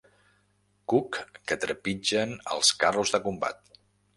Cuc que trepitgen els carros de combat.